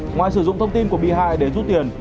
ngoài sử dụng thông tin của bị hại để rút tiền